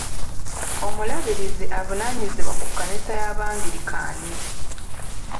Omulabirizi avunaanyizibwa ku kkanisa y'abangirikaani.